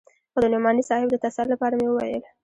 خو د نعماني صاحب د تسل لپاره مې وويل.